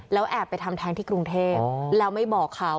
แล้วแอบไปทำแท้งที่กรุงเทพแล้วไม่บอกเขา